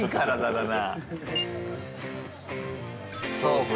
そうか。